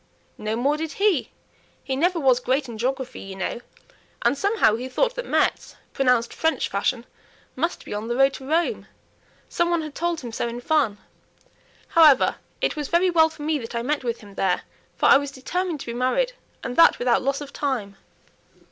"No more did he. He never was great in geography, you know; and somehow he thought that Metz, pronounced French fashion, must be on the road to Rome. Some one had told him so in fun. However, it was very well for me that I met with him there, for I was determined to be married, and that without loss of time."